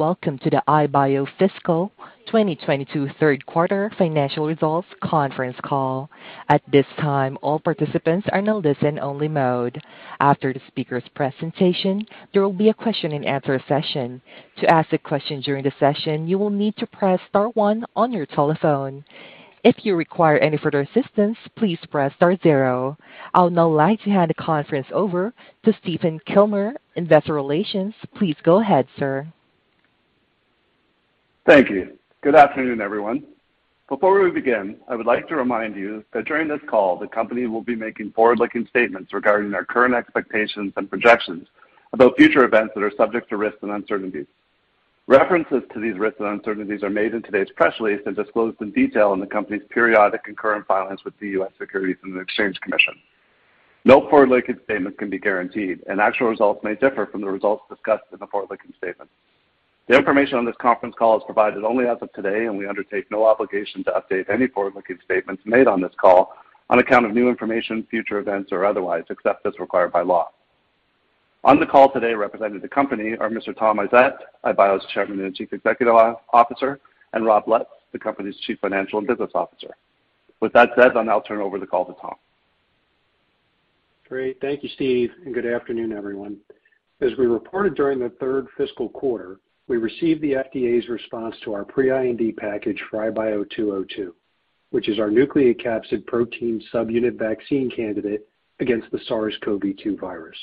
Welcome to the iBio Fiscal 2022 Third Quarter Financial Results Conference Call. At this time, all participants are in a listen only mode. After the speaker's presentation, there will be a question-and-answer session. To ask a question during the session, you will need to press star one on your telephone. If you require any further assistance, please press star zero. I would now like to hand the conference over to Stephen Kilmer, Investor Relations. Please go ahead, sir. Thank you. Good afternoon, everyone. Before we begin, I would like to remind you that during this call, the company will be making forward-looking statements regarding our current expectations and projections about future events that are subject to risks and uncertainties. References to these risks and uncertainties are made in today's press release and disclosed in detail in the company's periodic and current filings with the U.S. Securities and Exchange Commission. No forward-looking statement can be guaranteed, and actual results may differ from the results discussed in the forward-looking statement. The information on this conference call is provided only as of today, and we undertake no obligation to update any forward-looking statements made on this call on account of new information, future events, or otherwise, except as required by law. On the call today representing the company are Mr. Tom Isett, iBio's Chairman and Chief Executive Officer, and Rob Lutz, the company's Chief Financial and Business Officer. With that said, I'll now turn over the call to Tom. Great. Thank you, Stephen, and good afternoon, everyone. As we reported during the third fiscal quarter, we received the FDA's response to our pre-IND package for IBIO-202, which is our nucleocapsid protein subunit vaccine candidate against the SARS-CoV-2 virus.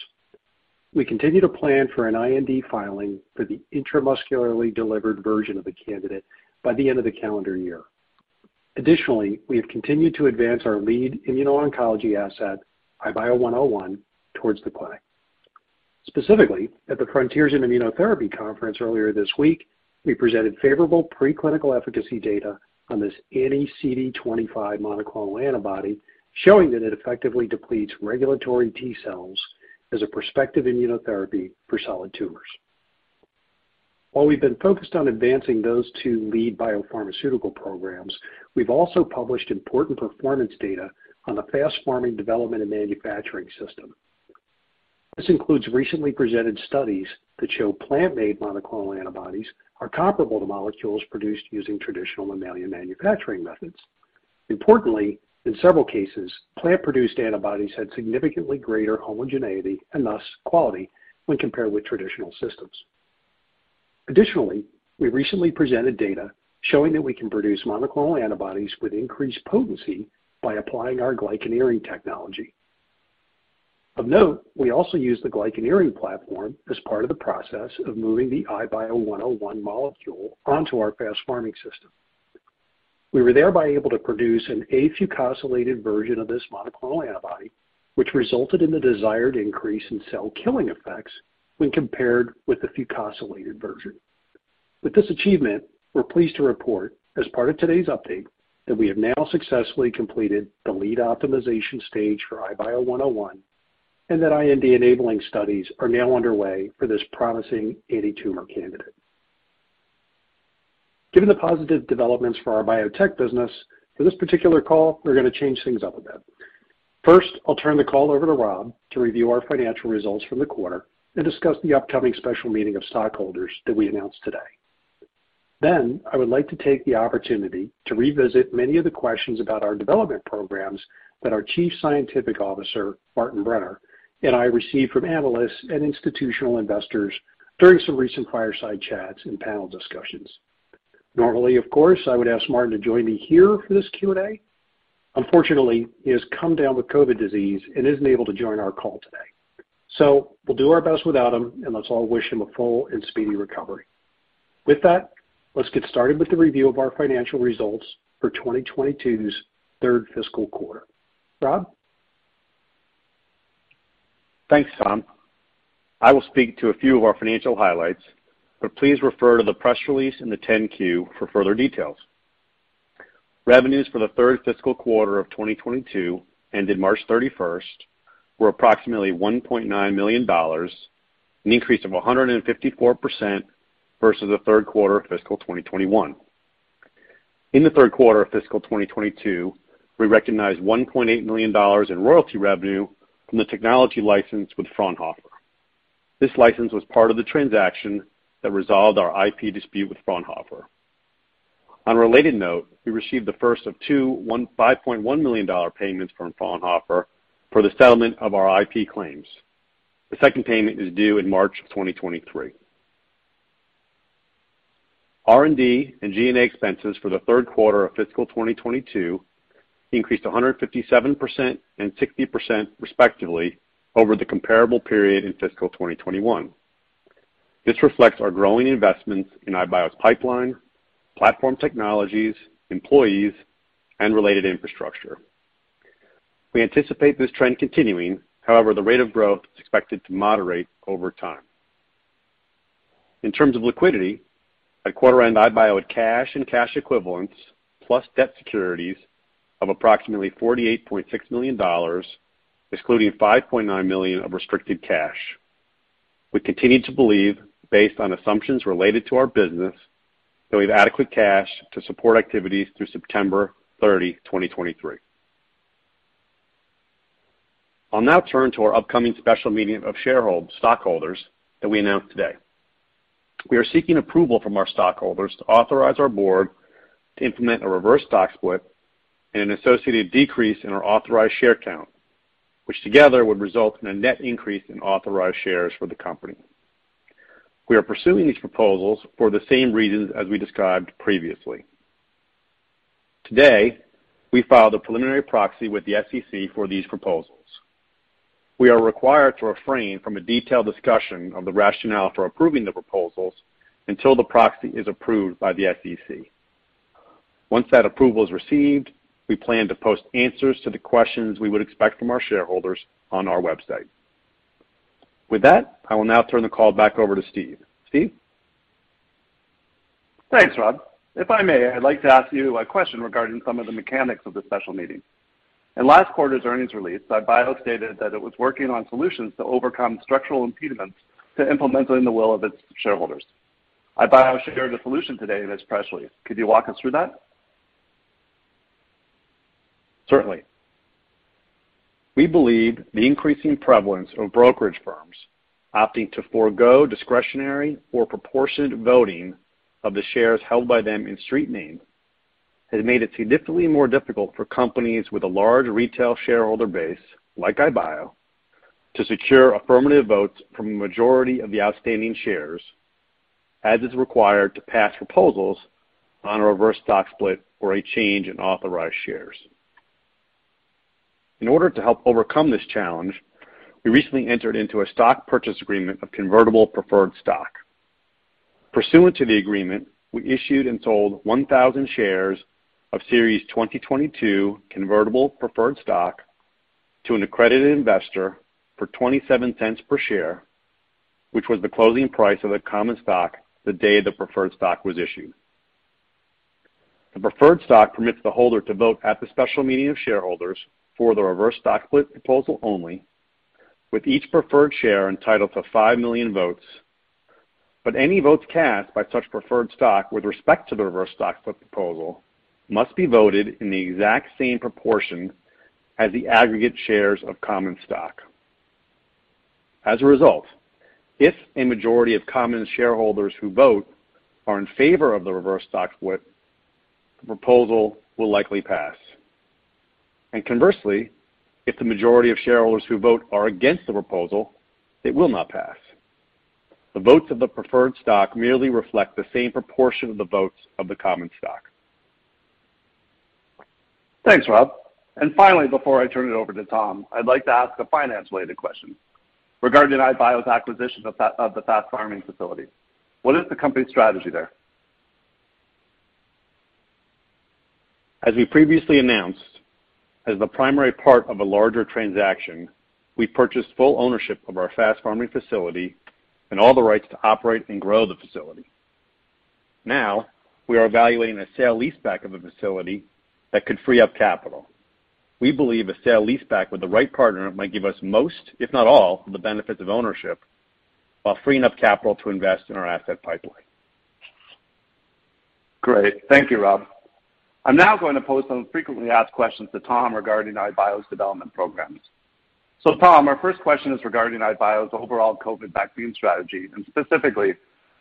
We continue to plan for an IND filing for the intramuscularly delivered version of the candidate by the end of the calendar year. Additionally, we have continued to advance our lead immuno-oncology asset, IBIO-101, towards the clinic. Specifically, at the Frontiers in Cancer Immunotherapy conference earlier this week, we presented favorable pre-clinical efficacy data on this anti-CD25 monoclonal antibody, showing that it effectively depletes regulatory T-cells as a prospective immunotherapy for solid tumors. While we've been focused on advancing those two lead biopharmaceutical programs, we've also published important performance data on the FastPharming development and manufacturing system. This includes recently presented studies that show plant-made monoclonal antibodies are comparable to molecules produced using traditional mammalian manufacturing methods. Importantly, in several cases, plant-produced antibodies had significantly greater homogeneity and thus quality when compared with traditional systems. Additionally, we recently presented data showing that we can produce monoclonal antibodies with increased potency by applying our glycan engineering technology. Of note, we also use the glycan engineering platform as part of the process of moving the IBIO-101 molecule onto our FastPharming system. We were thereby able to produce an afucosylated version of this monoclonal antibody, which resulted in the desired increase in cell killing effects when compared with the fucosylated version. With this achievement, we're pleased to report as part of today's update that we have now successfully completed the lead optimization stage for IBIO-101, and that IND enabling studies are now underway for this promising anti-tumor candidate. Given the positive developments for our biotech business, for this particular call, we're gonna change things up a bit. First, I'll turn the call over to Rob to review our financial results for the quarter and discuss the upcoming special meeting of stockholders that we announced today. Then, I would like to take the opportunity to revisit many of the questions about our development programs that our chief scientific officer, Martin Brenner, and I received from analysts and institutional investors during some recent fireside chats and panel discussions. Normally, of course, I would ask Martin to join me here for this Q&A. Unfortunately, he has come down with COVID disease and isn't able to join our call today, so we'll do our best without him, and let's all wish him a full and speedy recovery. With that, let's get started with the review of our financial results for 2022's third fiscal quarter. Rob? Thanks, Tom. I will speak to a few of our financial highlights, but please refer to the press release in the 10-Q for further details. Revenues for the third fiscal quarter of 2022, ended March 31st, were approximately $1.9 million, an increase of 154% versus the third quarter of fiscal 2021. In the third quarter of fiscal 2022, we recognized $1.8 million in royalty revenue from the technology license with Fraunhofer. This license was part of the transaction that resolved our IP dispute with Fraunhofer. On a related note, we received the first of two $5.1 million payments from Fraunhofer for the settlement of our IP claims. The second payment is due in March of 2023. R&D and G&A expenses for the third quarter of fiscal 2022 increased 157% and 60%, respectively, over the comparable period in fiscal 2021. This reflects our growing investments in iBio's pipeline, platform technologies, employees, and related infrastructure. We anticipate this trend continuing. However, the rate of growth is expected to moderate over time. In terms of liquidity, by quarter end, iBio had cash and cash equivalents plus debt securities of approximately $48.6 million, excluding $5.9 million of restricted cash. We continue to believe, based on assumptions related to our business, that we have adequate cash to support activities through September 30, 2023. I'll now turn to our upcoming special meeting of stockholders that we announced today. We are seeking approval from our stockholders to authorize our board to implement a reverse stock split and an associated decrease in our authorized share count, which together would result in a net increase in authorized shares for the company. We are pursuing these proposals for the same reasons as we described previously. Today, we filed a preliminary proxy with the SEC for these proposals. We are required to refrain from a detailed discussion of the rationale for approving the proposals until the proxy is approved by the SEC. Once that approval is received, we plan to post answers to the questions we would expect from our shareholders on our website. With that, I will now turn the call back over to Steve. Steve. Thanks, Rob. If I may, I'd like to ask you a question regarding some of the mechanics of the special meeting. In last quarter's earnings release, iBio stated that it was working on solutions to overcome structural impediments to implementing the will of its shareholders. iBio shared a solution today in its press release. Could you walk us through that? Certainly. We believe the increasing prevalence of brokerage firms opting to forego discretionary or proportionate voting of the shares held by them in street name has made it significantly more difficult for companies with a large retail shareholder base like iBio to secure affirmative votes from the majority of the outstanding shares, as is required to pass proposals on a reverse stock split or a change in authorized shares. In order to help overcome this challenge, we recently entered into a stock purchase agreement of convertible preferred stock. Pursuant to the agreement, we issued and sold 1,000 shares of series 2022 convertible preferred stock to an accredited investor for $0.27 per share, which was the closing price of the common stock the day the preferred stock was issued. The preferred stock permits the holder to vote at the special meeting of shareholders for the reverse stock split proposal only, with each preferred share entitled to 5 million votes. Any votes cast by such preferred stock with respect to the reverse stock split proposal must be voted in the exact same proportion as the aggregate shares of common stock. As a result, if a majority of common shareholders who vote are in favor of the reverse stock split, the proposal will likely pass. Conversely, if the majority of shareholders who vote are against the proposal, it will not pass. The votes of the preferred stock merely reflect the same proportion of the votes of the common stock. Thanks, Rob. Finally, before I turn it over to Tom, I'd like to ask a finance-related question regarding iBio's acquisition of the FastPharming facility. What is the company's strategy there? As we previously announced, as the primary part of a larger transaction, we purchased full ownership of our FastPharming facility and all the rights to operate and grow the facility. Now, we are evaluating a sale-leaseback of the facility that could free up capital. We believe a sale-leaseback with the right partner might give us most, if not all, of the benefits of ownership while freeing up capital to invest in our asset pipeline. Great. Thank you, Rob. I'm now going to pose some frequently asked questions to Tom regarding iBio's development programs. Tom, our first question is regarding iBio's overall COVID vaccine strategy and specifically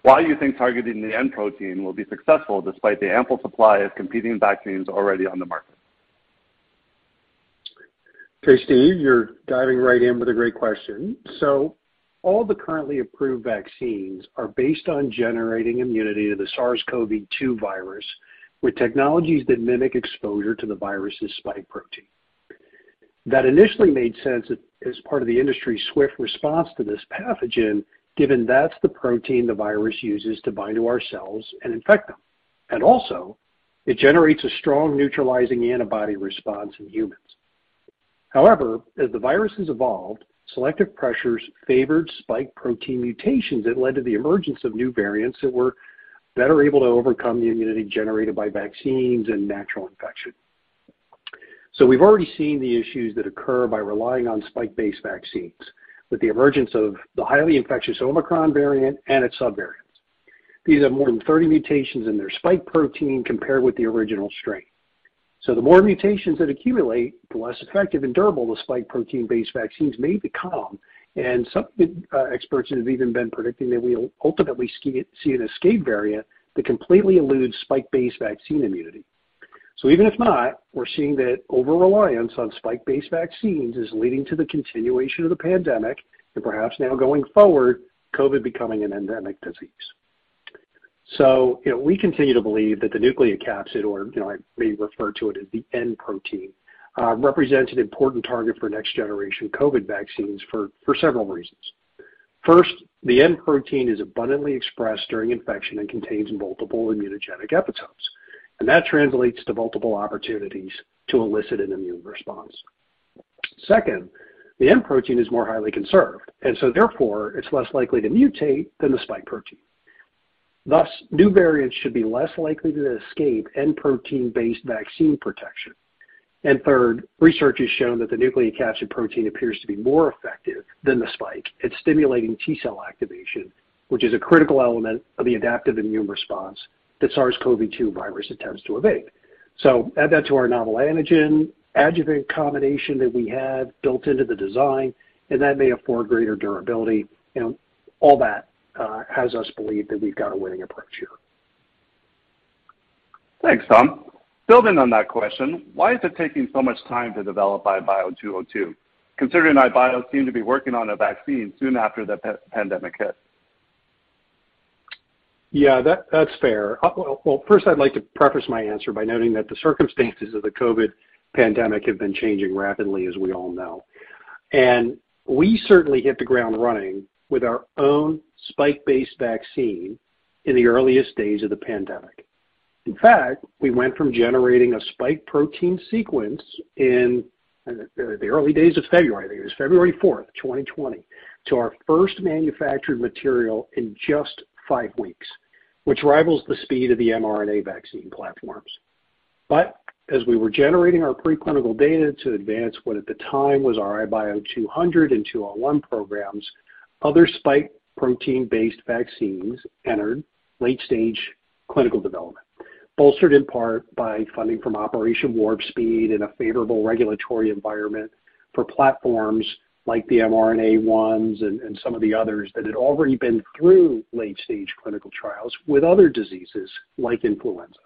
why you think targeting the N protein will be successful despite the ample supply of competing vaccines already on the market. Okay, Steve, you're diving right in with a great question. All the currently approved vaccines are based on generating immunity to the SARS-CoV-2 virus with technologies that mimic exposure to the virus' spike protein. That initially made sense as part of the industry's swift response to this pathogen, given that's the protein the virus uses to bind to our cells and infect them. It generates a strong neutralizing antibody response in humans. However, as the virus has evolved, selective pressures favored spike protein mutations that led to the emergence of new variants that were better able to overcome the immunity generated by vaccines and natural infection. We've already seen the issues that occur by relying on spike-based vaccines, with the emergence of the highly infectious Omicron variant and its subvariants. These have more than 30 mutations in their spike protein compared with the original strain. The more mutations that accumulate, the less effective and durable the spike protein-based vaccines may become. Some experts have even been predicting that we'll ultimately see an escape variant that completely eludes spike-based vaccine immunity. Even if not, we're seeing that over-reliance on spike-based vaccines is leading to the continuation of the pandemic and perhaps now, going forward, COVID becoming an endemic disease. You know, we continue to believe that the nucleocapsid or we refer to it as the N protein represents an important target for next generation COVID vaccines for several reasons. First, the N protein is abundantly expressed during infection and contains multiple immunogenic epitopes, and that translates to multiple opportunities to elicit an immune response. Second, the N protein is more highly conserved, and so therefore, it's less likely to mutate than the spike protein. Thus, new variants should be less likely to escape N protein-based vaccine protection. Third, research has shown that the nucleocapsid protein appears to be more effective than the spike. It's stimulating T-cell activation, which is a critical element of the adaptive immune response that SARS-CoV-2 virus attempts to evade. Add that to our novel antigen adjuvant combination that we have built into the design, and that may afford greater durability. You know, all that has us believe that we've got a winning approach here. Thanks, Tom. Building on that question, why is it taking so much time to develop IBIO-202, considering iBio seemed to be working on a vaccine soon after the pandemic hit? Yeah, that's fair. Well, first I'd like to preface my answer by noting that the circumstances of the COVID pandemic have been changing rapidly, as we all know. We certainly hit the ground running with our own spike-based vaccine in the earliest days of the pandemic. In fact, we went from generating a spike protein sequence in the early days of February, I think it was February 4th, 2020, to our first manufactured material in just 5 weeks, which rivals the speed of the mRNA vaccine platforms. As we were generating our preclinical data to advance what at the time was our IBIO-202 programs, other spike protein-based vaccines entered late-stage clinical development, bolstered in part by funding from Operation Warp Speed in a favorable regulatory environment for platforms like the mRNA ones and some of the others that had already been through late-stage clinical trials with other diseases like influenza.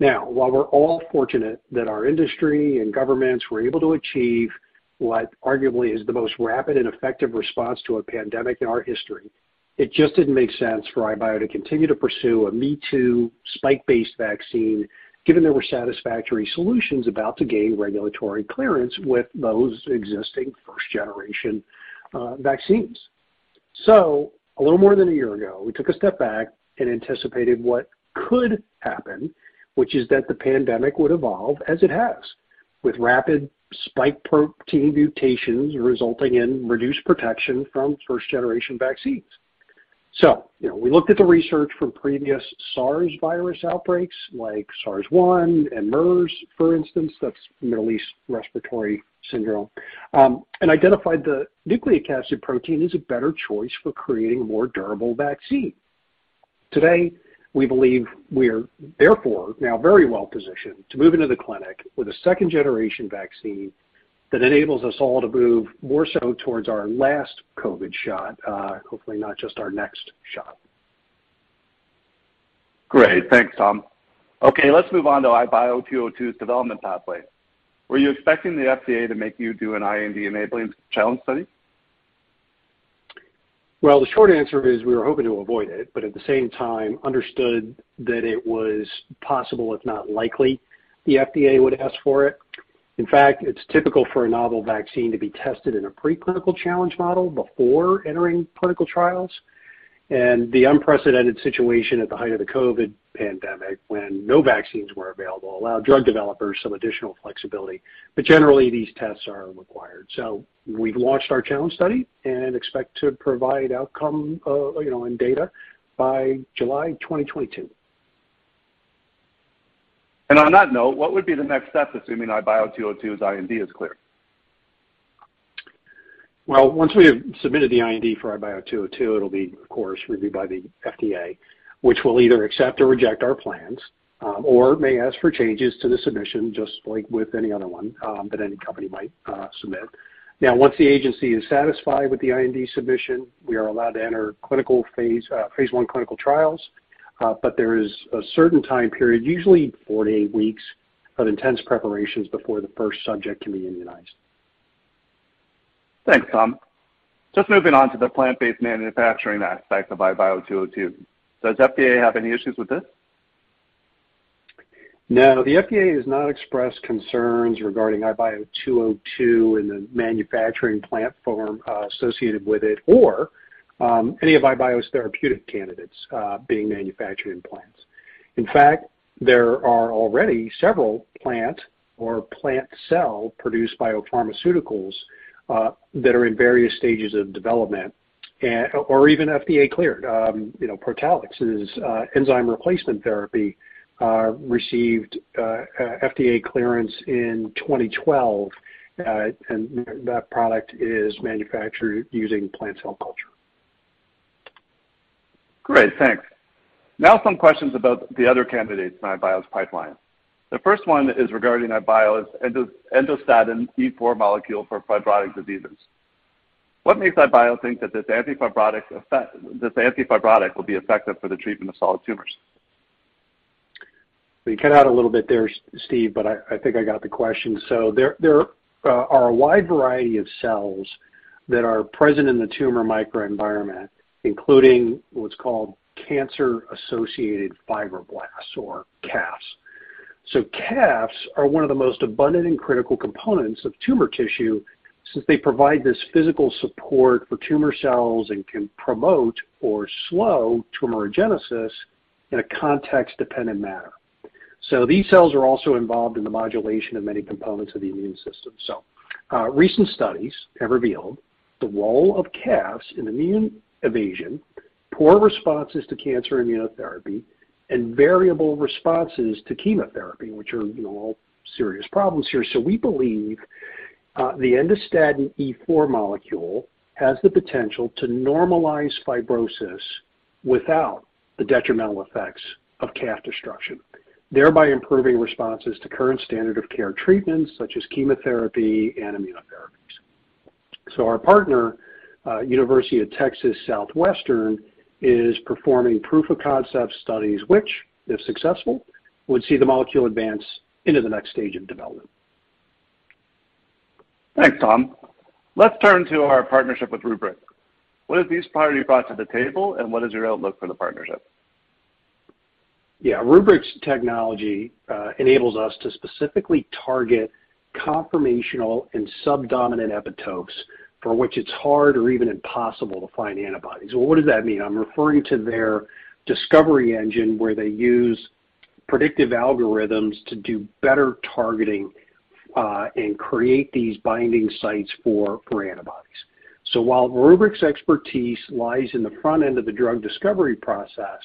Now, while we're all fortunate that our industry and governments were able to achieve what arguably is the most rapid and effective response to a pandemic in our history, it just didn't make sense for iBio to continue to pursue a me-too spike-based vaccine, given there were satisfactory solutions about to gain regulatory clearance with those existing first-generation vaccines. A little more than a year ago, we took a step back and anticipated what could happen, which is that the pandemic would evolve as it has, with rapid spike protein mutations resulting in reduced protection from first-generation vaccines. You know, we looked at the research from previous SARS virus outbreaks like SARS-CoV-1 and MERS, for instance, that's Middle East Respiratory Syndrome, and identified the nucleocapsid protein as a better choice for creating a more durable vaccine. Today, we believe we're therefore now very well positioned to move into the clinic with a second-generation vaccine that enables us all to move more so towards our last COVID shot, hopefully not just our next shot. Great. Thanks, Tom. Okay, let's move on to IBIO-202's development pathway. Were you expecting the FDA to make you do an IND-enabling challenge study? Well, the short answer is we were hoping to avoid it, but at the same time understood that it was possible, if not likely, the FDA would ask for it. In fact, it's typical for a novel vaccine to be tested in a preclinical challenge model before entering clinical trials. The unprecedented situation at the height of the COVID pandemic when no vaccines were available allowed drug developers some additional flexibility. Generally, these tests are required. We've launched our challenge study and expect to provide outcome, you know, and data by July 2022. On that note, what would be the next step, assuming IBIO-202's IND is clear? Well, once we have submitted the IND for IBIO-202, it'll be, of course, reviewed by the FDA, which will either accept or reject our plans, or may ask for changes to the submission, just like with any other one, that any company might submit. Now, once the agency is satisfied with the IND submission, we are allowed to enter clinical phase 1 clinical trials. There is a certain time period, usually 4-8 weeks of intense preparations before the first subject can be immunized. Thanks, Tom. Just moving on to the plant-based manufacturing aspect of IBIO-202. Does FDA have any issues with this? No, the FDA has not expressed concerns regarding IBIO-202 and the manufacturing platform associated with it or any of iBio's therapeutic candidates being manufactured in plants. In fact, there are already several plant or plant cell produced biopharmaceuticals that are in various stages of development or even FDA cleared. You know, Protalix's enzyme replacement therapy received FDA clearance in 2012. That product is manufactured using plant cell culture. Great, thanks. Now some questions about the other candidates in iBio's pipeline. The first one is regarding iBio's endostatin E4 molecule for fibrotic diseases. What makes iBio think that this anti-fibrotic will be effective for the treatment of solid tumors? You cut out a little bit there, Steve, but I think I got the question. There are a wide variety of cells that are present in the tumor microenvironment, including what's called cancer-associated fibroblasts or CAFs. CAFs are one of the most abundant and critical components of tumor tissue since they provide this physical support for tumor cells and can promote or slow tumorigenesis in a context-dependent manner. These cells are also involved in the modulation of many components of the immune system. Recent studies have revealed the role of CAFs in immune evasion, poor responses to cancer immunotherapy, and variable responses to chemotherapy, which are, you know, all serious problems here. We believe the endostatin E4 molecule has the potential to normalize fibrosis without the detrimental effects of CAF destruction, thereby improving responses to current standard of care treatments such as chemotherapy and immunotherapies. Our partner, University of Texas Southwestern, is performing proof of concept studies, which, if successful, would see the molecule advance into the next stage of development. Thanks, Tom. Let's turn to our partnership with RubrYc. What has this priority brought to the table, and what is your outlook for the partnership? Yeah. RubrYc's technology enables us to specifically target conformational and subdominant epitopes for which it's hard or even impossible to find antibodies. Well, what does that mean? I'm referring to their discovery engine, where they use predictive algorithms to do better targeting and create these binding sites for antibodies. While RubrYc's expertise lies in the front end of the drug discovery process,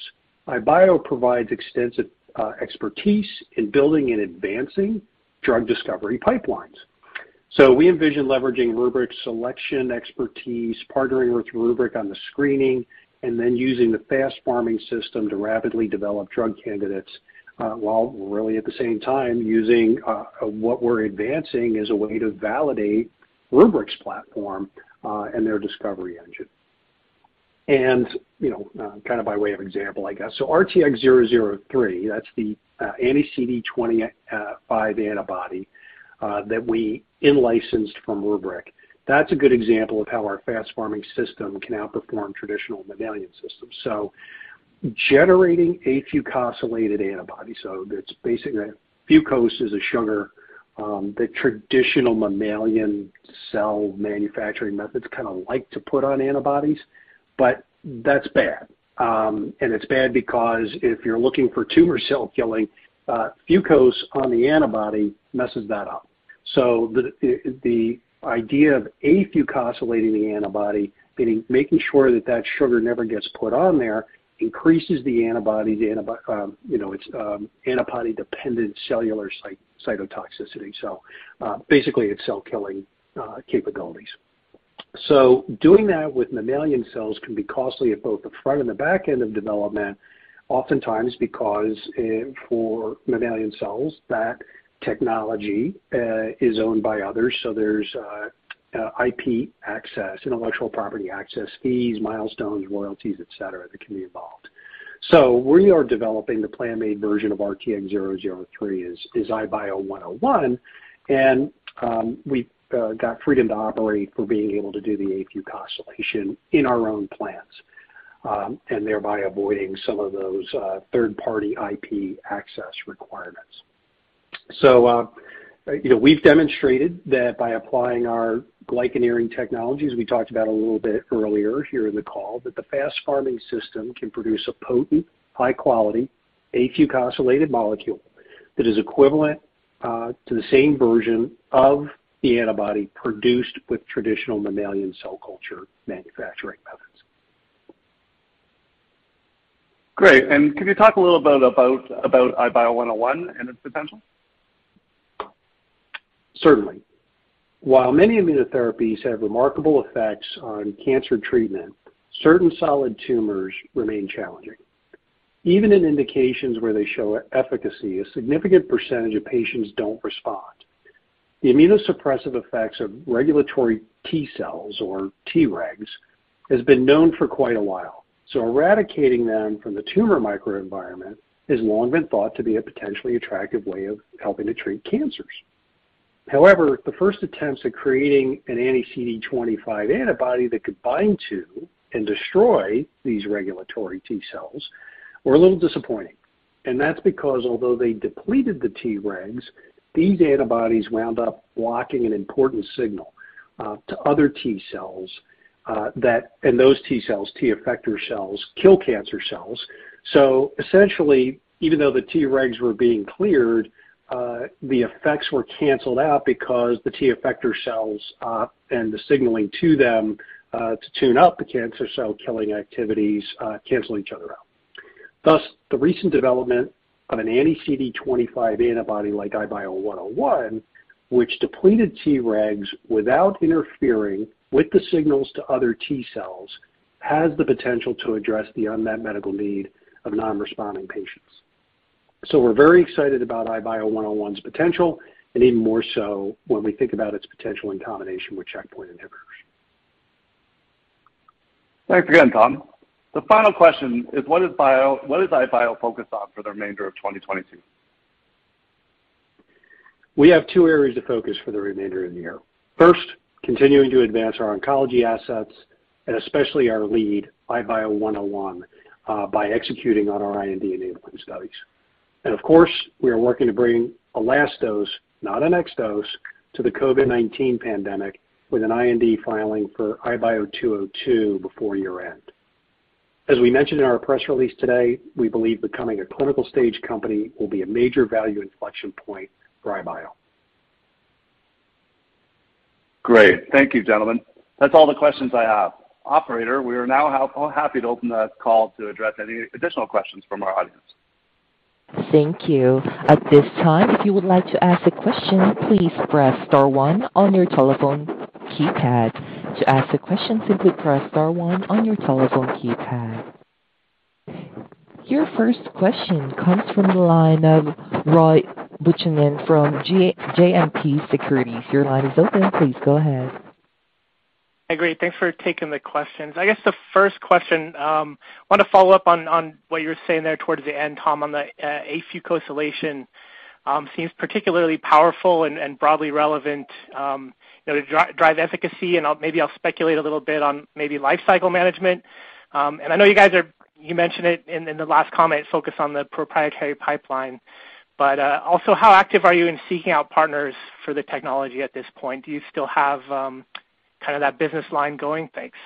iBio provides extensive expertise in building and advancing drug discovery pipelines. We envision leveraging RubrYc's selection expertise, partnering with RubrYc on the screening, and then using the FastPharming system to rapidly develop drug candidates while really at the same time using what we're advancing as a way to validate RubrYc's platform and their discovery engine. You know, kind of by way of example, I guess. RTX 003, that's the anti-CD25 antibody that we in-licensed from RubrYc. That's a good example of how our FastPharming system can outperform traditional mammalian systems. Generating afucosylated antibodies, that's basically fucose is a sugar that traditional mammalian cell manufacturing methods kinda like to put on antibodies, but that's bad. It's bad because if you're looking for tumor cell killing, fucose on the antibody messes that up. The idea of afucosylating the antibody, getting, making sure that that sugar never gets put on there, increases the antibody you know its antibody-dependent cellular cytotoxicity. Basically its cell killing capabilities. Doing that with mammalian cells can be costly at both the front and the back end of development, oftentimes because, for mammalian cells, that technology is owned by others, so there's IP access, intellectual property access fees, milestones, royalties, et cetera, that can be involved. We are developing the plant-made version of RTX 003, which is IBIO-101, and we got freedom to operate for being able to do the afucosylation in our own plants, and thereby avoiding some of those third-party IP access requirements. you know, we've demonstrated that by applying our glycan engineering technologies we talked about a little bit earlier here in the call, that the FastPharming system can produce a potent, high quality, afucosylated molecule that is equivalent to the same version of the antibody produced with traditional mammalian cell culture manufacturing methods. Great. Can you talk a little bit about IBIO-101 and its potential? Certainly. While many immunotherapies have remarkable effects on cancer treatment, certain solid tumors remain challenging. Even in indications where they show efficacy, a significant percentage of patients don't respond. The immunosuppressive effects of regulatory T-cells or Tregs has been known for quite a while, so eradicating them from the tumor microenvironment has long been thought to be a potentially attractive way of helping to treat cancers. However, the first attempts at creating an anti-CD25 antibody that could bind to and destroy these regulatory T-cells were a little disappointing. That's because although they depleted the Tregs, these antibodies wound up blocking an important signal to other T-cells that those T-cells, T effector cells, kill cancer cells. Essentially, even though the Tregs were being cleared, the effects were canceled out because the T effector cells, and the signaling to them, to tune up the cancer cell killing activities, cancel each other out. Thus, the recent development of an anti-CD25 antibody like IBIO-101, which depleted Tregs without interfering with the signals to other T-cells, has the potential to address the unmet medical need of non-responding patients. We're very excited about IBIO-101's potential, and even more so when we think about its potential in combination with checkpoint inhibitors. Thanks again, Tom. The final question is what does iBio focus on for the remainder of 2022? We have two areas of focus for the remainder of the year. First, continuing to advance our oncology assets and especially our lead, IBIO-101, by executing on our IND-enabling studies. Of course, we are working to bring a last dose, not a next dose, to the COVID-19 pandemic with an IND filing for IBIO-202 before year-end. As we mentioned in our press release today, we believe becoming a clinical-stage company will be a major value inflection point for iBio. Great. Thank you, gentlemen. That's all the questions I have. Operator, we are now happy to open the call to address any additional questions from our audience. Thank you. At this time, if you would like to ask a question, please press star one on your telephone keypad. To ask a question, simply press star one on your telephone keypad. Your first question comes from the line of Roy Buchanan from JMP Securities. Your line is open. Please go ahead. Hi. Great, thanks for taking the questions. I guess the first question, want to follow up on what you were saying there towards the end, Tom, on the afucosylation, seems particularly powerful and broadly relevant, you know, to drive efficacy, and maybe I'll speculate a little bit on maybe life cycle management. I know you guys are. You mentioned it in the last comment, focus on the proprietary pipeline. Also, how active are you in seeking out partners for the technology at this point? Do you still have kind of that business line going? Thanks.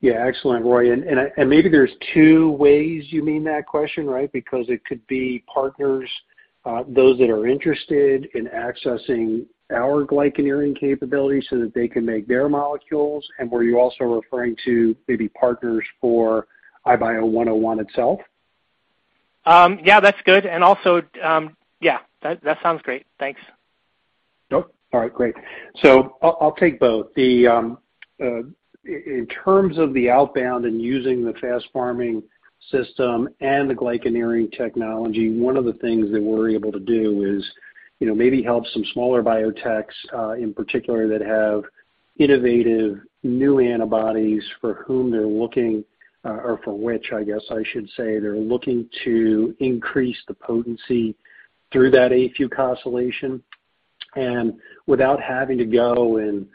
Yeah. Excellent, Roy. Maybe there's two ways you mean that question, right? Because it could be partners, those that are interested in accessing our glycan engineering capabilities so that they can make their molecules. Were you also referring to maybe partners for IBOI-101 itself? Yeah, that's good. Yeah, that sounds great. Thanks. Nope. All right, great. I'll take both. In terms of the outbound and using the FastPharming system and the glycan engineering technology, one of the things that we're able to do is, you know, maybe help some smaller biotechs in particular that have innovative new antibodies for whom they're looking, or for which I guess I should say, they're looking to increase the potency through that afucosylation. Without having to go and,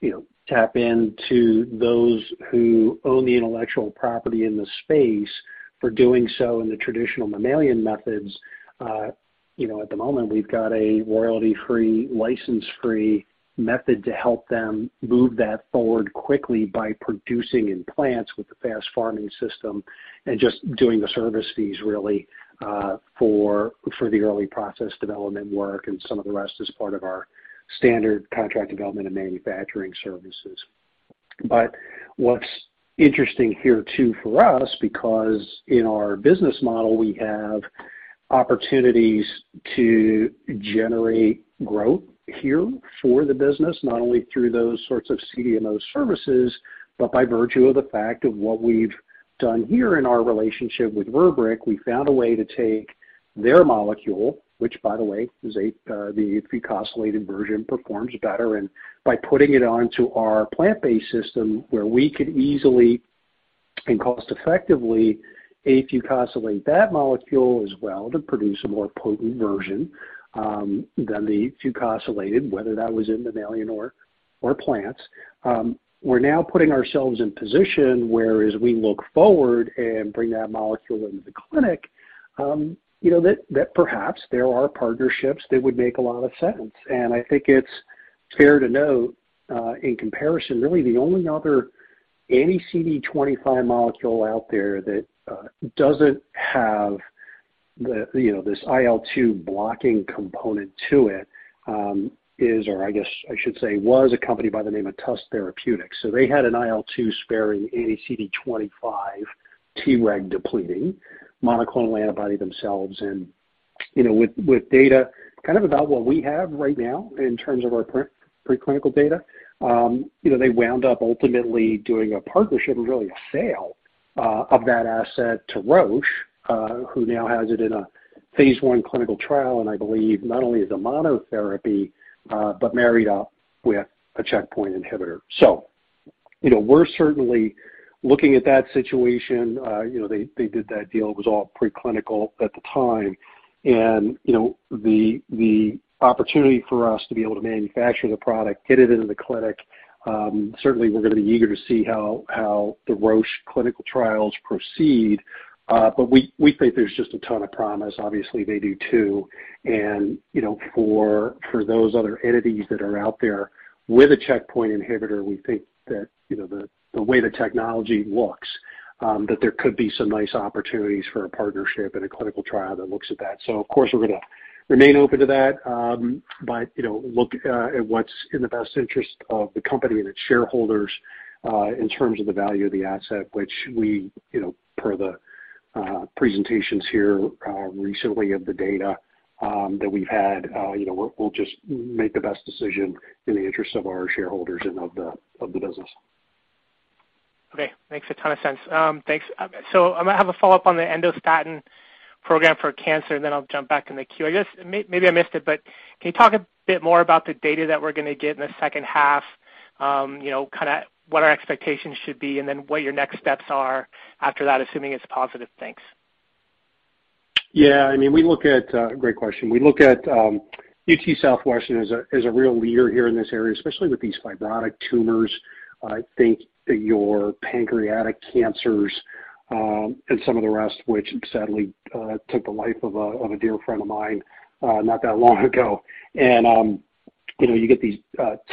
you know, tap into those who own the intellectual property in the space for doing so in the traditional mammalian methods, you know, at the moment, we've got a royalty-free, license-free method to help them move that forward quickly by producing in plants with the FastPharming system and just doing the service fees really, for the early process development work and some of the rest as part of our standard contract development and manufacturing services. What's interesting here too for us, because in our business model, we have opportunities to generate growth here for the business, not only through those sorts of CDMO services, but by virtue of the fact of what we've done here in our relationship with Verik, we found a way to take their molecule, which by the way is the fucosylated version performs better. And by putting it onto our plant-based system where we could easily and cost effectively afucosylate that molecule as well to produce a more potent version, than the fucosylated, whether that was in mammalian or plants. We're now putting ourselves in position, whereas we look forward and bring that molecule into the clinic, you know, that perhaps there are partnerships that would make a lot of sense. I think it's fair to note, in comparison, really the only other anti-CD25 molecule out there that doesn't have the, you know, this IL-2 blocking component to it is, or I guess I should say was a company by the name of Tusk Therapeutics. They had an IL-2 sparing anti-CD25 Treg depleting monoclonal antibody themselves. You know, with data kind of about what we have right now in terms of our preclinical data, you know, they wound up ultimately doing a partnership and really a sale of that asset to Roche, who now has it in a phase one clinical trial, and I believe not only as a monotherapy, but married up with a checkpoint inhibitor. You know, we're certainly looking at that situation. You know, they did that deal. It was all preclinical at the time. You know, the opportunity for us to be able to manufacture the product, get it into the clinic. Certainly we're gonna be eager to see how the Roche clinical trials proceed. We think there's just a ton of promise. Obviously, they do too. You know, for those other entities that are out there with a checkpoint inhibitor, we think that, you know, the way the technology works, that there could be some nice opportunities for a partnership and a clinical trial that looks at that. Of course, we're gonna remain open to that, but, you know, look at what's in the best interest of the company and its shareholders, in terms of the value of the asset, which, you know, per the presentations here recently of the data that we've had, you know, we'll just make the best decision in the interest of our shareholders and of the business. Okay. Makes a ton of sense. Thanks. I'm gonna have a follow-up on the endostatin program for cancer, and then I'll jump back in the queue. I guess maybe I missed it, but can you talk a bit more about the data that we're gonna get in the second half? You know, kinda what our expectations should be and then what your next steps are after that, assuming it's positive. Thanks. I mean, we look at. Great question. We look at UT Southwestern as a real leader here in this area, especially with these fibrotic tumors. I think your pancreatic cancers and some of the rest, which sadly took the life of a dear friend of mine not that long ago. You know, you get these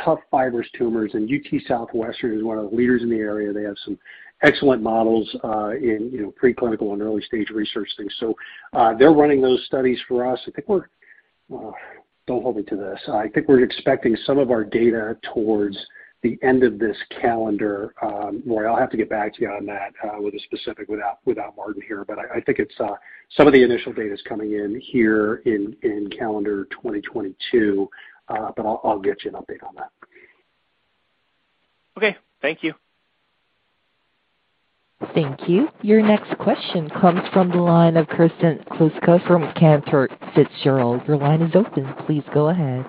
tough fibrous tumors, and UT Southwestern is one of the leaders in the area. They have some excellent models in you know, preclinical and early-stage research things. They're running those studies for us. Well, don't hold me to this. I think we're expecting some of our data towards the end of this calendar. Roy, I'll have to get back to you on that with specifics without Martin here, but I think some of the initial data is coming in here in calendar 2022. I'll get you an update on that. Okay. Thank you. Thank you. Your next question comes from the line of Kristen Kluska from Cantor Fitzgerald. Your line is open. Please go ahead.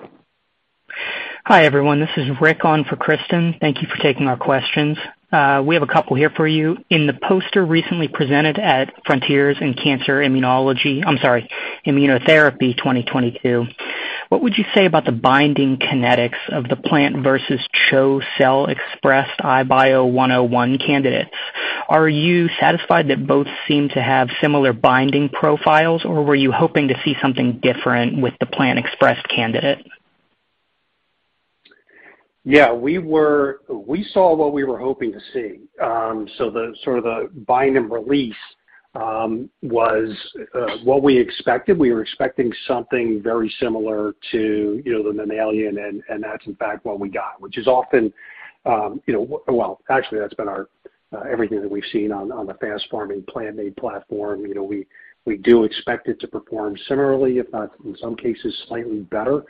Hi, everyone. This is Rick on for Kristen. Thank you for taking our questions. We have a couple here for you. In the poster recently presented at Frontiers in Cancer Immunotherapy 2022, what would you say about the binding kinetics of the plant versus CHO cell-expressed IBOI-101 candidates? Are you satisfied that both seem to have similar binding profiles, or were you hoping to see something different with the plant-expressed candidate? Yeah, we were. We saw what we were hoping to see. So the sort of bind and release was what we expected. We were expecting something very similar to, you know, the mammalian, and that's in fact what we got, which is often, you know. Well, actually that's been our everything that we've seen on the FastPharming plant-made platform. You know, we do expect it to perform similarly, if not in some cases slightly better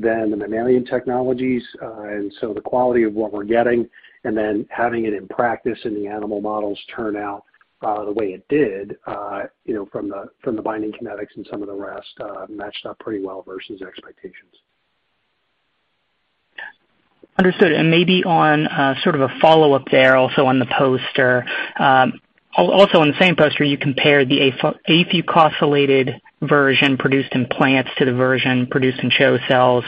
than the mammalian technologies. The quality of what we're getting and then having it in practice in the animal models turn out the way it did, you know, from the binding kinetics and some of the rest matched up pretty well versus expectations. Understood. Maybe on sort of a follow-up there also on the poster. Also on the same poster, you compared the afucosylated version produced in plants to the version produced in CHO cells.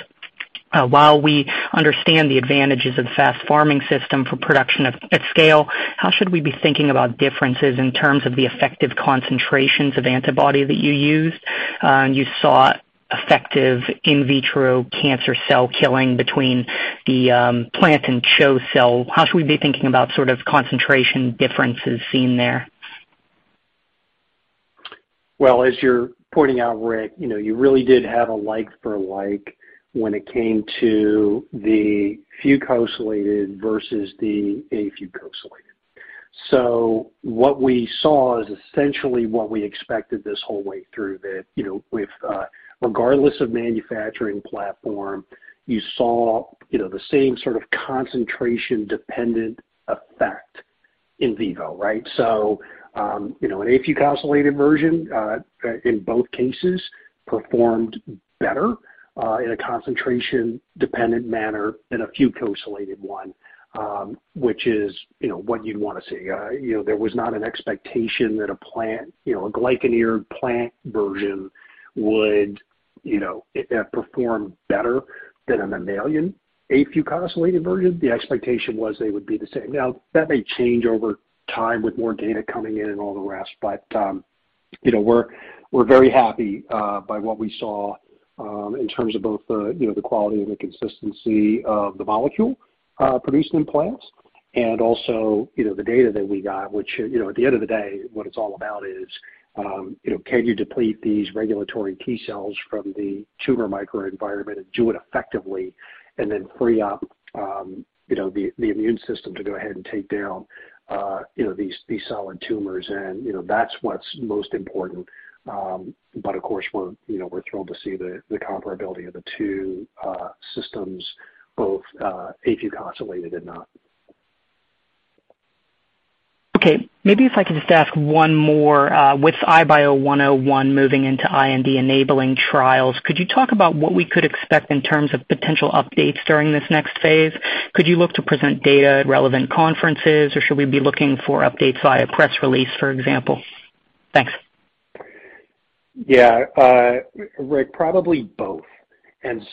While we understand the advantages of FastPharming system for production at scale, how should we be thinking about differences in terms of the effective concentrations of antibody that you used? You saw effective in vitro cancer cell killing between the plant and CHO cell. How should we be thinking about sort of concentration differences seen there? Well, as you're pointing out, Rick, you know, you really did have a like-for-like when it came to the fucosylated versus the afucosylated. What we saw is essentially what we expected this whole way through that, you know, with, regardless of manufacturing platform, you saw, you know, the same sort of concentration-dependent effect in vivo, right? You know, an afucosylated version in both cases performed better in a concentration-dependent manner than a fucosylated one, which is, you know, what you'd wanna see. You know, there was not an expectation that a plant, you know, a glycan-engineered plant version would, you know, perform better than a mammalian afucosylated version. The expectation was they would be the same. Now, that may change over time with more data coming in and all the rest. You know, we're very happy by what we saw in terms of both the quality and the consistency of the molecule produced in plants and also the data that we got, which you know at the end of the day what it's all about is you know can you deplete these regulatory T cells from the tumor microenvironment and do it effectively and then free up you know the immune system to go ahead and take down you know these solid tumors? You know that's what's most important. But of course, we're you know we're thrilled to see the comparability of the two systems both afucosylated and not. Okay, maybe if I could just ask one more. With IBIO-101 moving into IND-enabling trials, could you talk about what we could expect in terms of potential updates during this next phase? Could you look to present data at relevant conferences, or should we be looking for updates via press release, for example? Thanks. Yeah. Rick, probably both.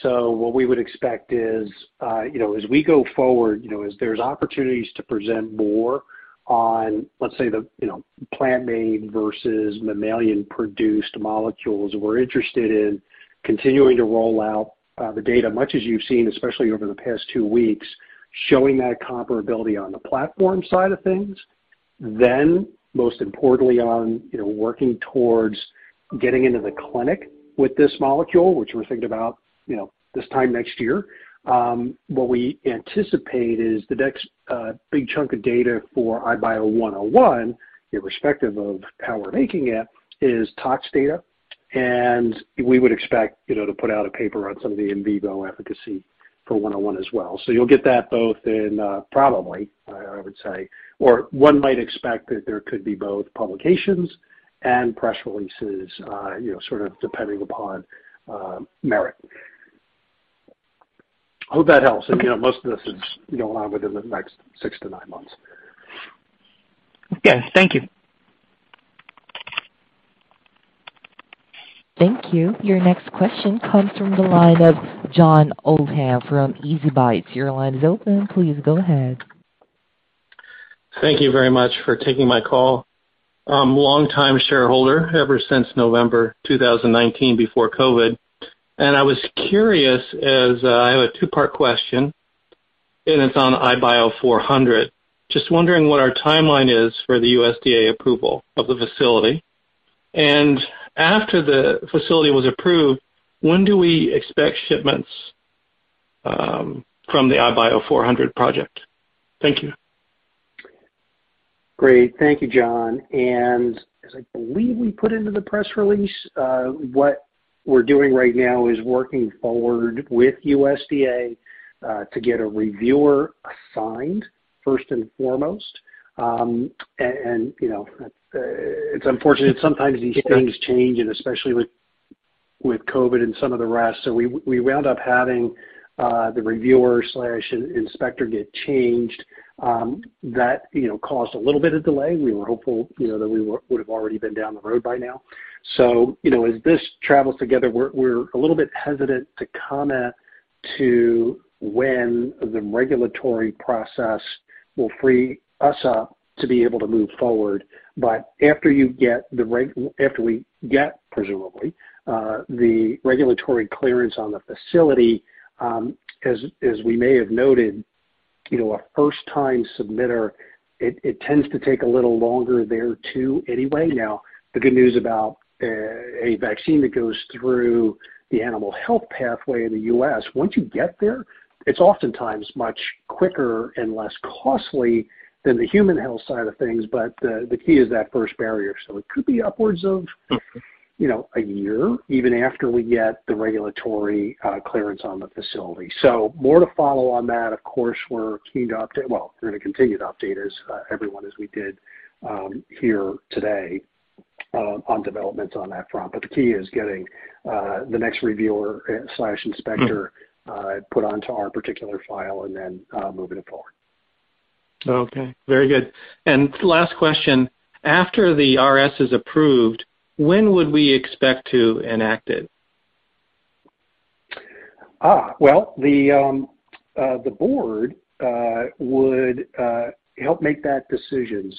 What we would expect is, you know, as we go forward, you know, as there's opportunities to present more on, let's say the, you know, plant-made versus mammalian-produced molecules, we're interested in continuing to roll out, the data much as you've seen, especially over the past two weeks, showing that comparability on the platform side of things. Then most importantly on, you know, working towards getting into the clinic with this molecule, which we're thinking about, you know, this time next year. What we anticipate is the next, big chunk of data for IBOI-101, irrespective of how we're making it, is tox data, and we would expect, you know, to put out a paper on some of the in vivo efficacy for 101 as well. You'll get that both in, probably. I would say or one might expect that there could be both publications and press releases, you know, sort of depending upon merit. Hope that helps. You know, most of this is, you know, within the next 6-9 months. Okay. Thank you. Thank you. Your next question comes from the line of John Oldham from ezBytes. Your line is open. Please go ahead. Thank you very much for taking my call. I'm a longtime shareholder ever since November 2019 before COVID. I was curious as I have a two-part question, and it's on IBIO-400. Just wondering what our timeline is for the USDA approval of the facility. After the facility was approved, when do we expect shipments from the iBio 400 project? Thank you. Great. Thank you, John. As I believe we put into the press release, what we're doing right now is moving forward with USDA to get a reviewer assigned first and foremost. You know, it's unfortunate sometimes these things change and especially with COVID and some of the rest. We wound up having the reviewer inspector get changed, that you know, caused a little bit of delay. We were hopeful, you know, that we would have already been down the road by now. You know, as this all comes together, we're a little bit hesitant to comment on when the regulatory process will free us up to be able to move forward. After we get, presumably, the regulatory clearance on the facility, as we may have noted, you know, a first-time submitter, it tends to take a little longer there too anyway. Now, the good news about a vaccine that goes through the animal health pathway in the U.S., once you get there, it's oftentimes much quicker and less costly than the human health side of things, but the key is that first barrier. So it could be upwards of, you know, a year even after we get the regulatory clearance on the facility. So more to follow on that. Of course, we're keen to update. We're gonna continue to update everyone as we did here today on developments on that front. The key is getting the next reviewer inspector put onto our particular file and then moving it forward. Okay, very good. Last question. After the RS is approved, when would we expect to enact it? Well, the board would help make that decision.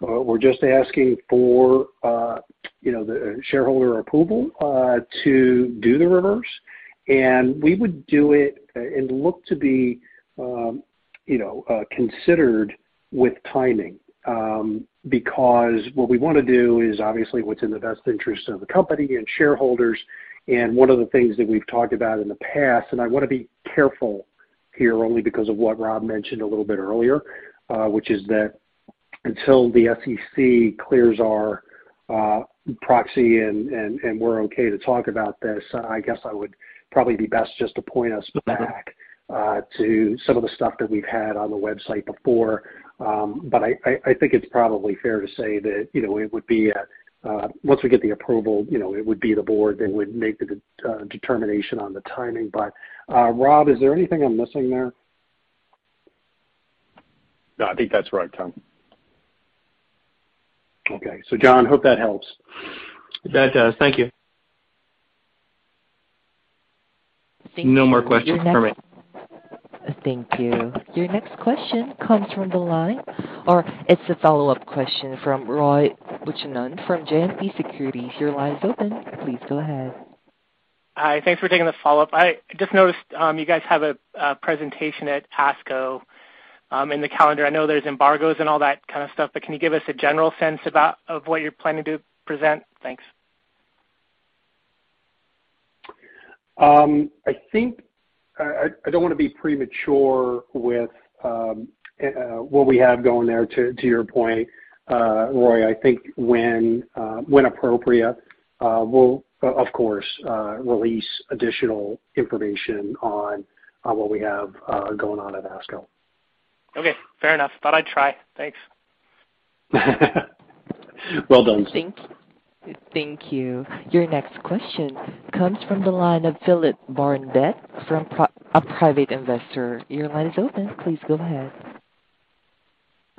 We're just asking for you know, the shareholder approval to do the reverse, and we would do it and look to be you know, considered with timing. Because what we wanna do is obviously what's in the best interest of the company and shareholders. One of the things that we've talked about in the past, and I wanna be careful here only because of what Rob mentioned a little bit earlier, which is that until the SEC clears our proxy and we're okay to talk about this, I guess I would probably be best just to point us back to some of the stuff that we've had on the website before. I think it's probably fair to say that, you know, it would be at once we get the approval, you know, it would be the board that would make the determination on the timing. Rob, is there anything I'm missing there? No, I think that's right, Tom. Okay. John, hope that helps. That does. Thank you. Thank you. No more questions from me. Thank you. Your next question comes from the line. Or it's a follow-up question from Roy Buchanan from JMP Securities. Your line is open. Please go ahead. Hi, thanks for taking the follow-up. I just noticed, you guys have a presentation at ASCO in the calendar. I know there's embargoes and all that kind of stuff, but can you give us a general sense about what you're planning to present? Thanks. I think I don't wanna be premature with what we have going there to your point, Roy. I think when appropriate, we'll of course release additional information on what we have going on at ASCO. Okay, fair enough. Thought I'd try. Thanks. Well done. Thank you. Your next question comes from the line of Philip Barnett from a private investor. Your line is open. Please go ahead.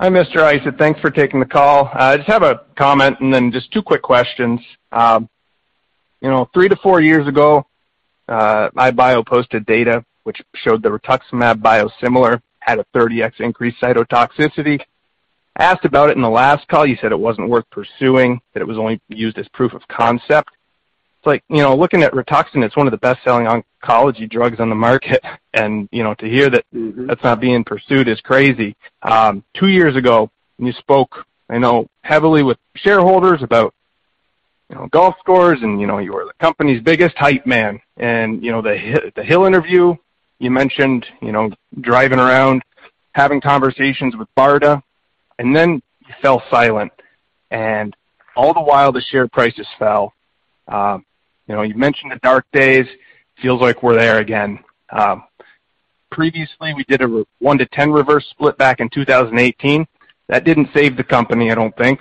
Hi, Mr. Isett. Thanks for taking the call. I just have a comment and then just two quick questions. You know, 3-4 years ago, iBio posted data which showed the rituximab biosimilar had a 30x increased cytotoxicity. I asked about it in the last call, you said it wasn't worth pursuing, that it was only used as proof of concept. It's like, you know, looking at Rituxan, it's one of the best-selling oncology drugs on the market. You know, to hear that that's not being pursued is crazy. Two years ago, you spoke, I know heavily with shareholders about, you know, golf scores and, you know, you were the company's biggest hype man. You know, the Hill interview, you mentioned, you know, driving around, having conversations with BARDA, and then you fell silent. All the while, the share prices fell. You know, you mentioned the dark days. Feels like we're there again. Previously, we did a 1-to-10 reverse split back in 2018. That didn't save the company, I don't think.